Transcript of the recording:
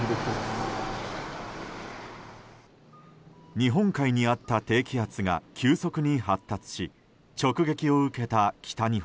日本海にあった低気圧が急速に発達し直撃を受けた北日本。